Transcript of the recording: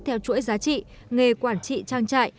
theo chuỗi giá trị nghề quản trị trang trại